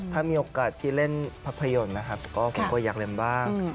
ถ้ามีโอกาสที่เล่นภาพยนตร์นะครับก็ผมก็อยากเรียนบ้าง